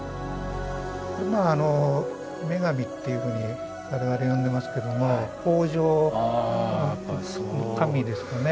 まあ女神っていうふうに我々呼んでますけども豊穣の神ですかね。